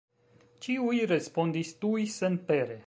Ĉiuj respondis tuj senpere.